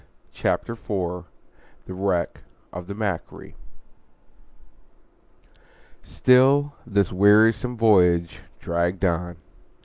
CHAPTER IV THE WRECK OF THE "MACQUARIE" STILL this wearisome voyage dragged on.